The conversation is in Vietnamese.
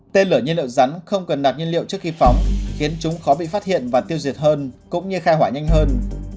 tên lửa nhiên liệu rắn không cần nạt nhiên liệu trước khi phóng khiến chúng khó bị phát hiện và tiêu diệt hơn cũng như khai hỏa nhanh hơn